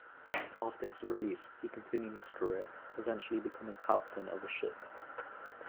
After his release he continued his career, eventually becoming captain of a ship.